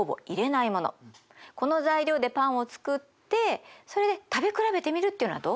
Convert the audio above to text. この材料でパンを作ってそれで食べ比べてみるっていうのはどう？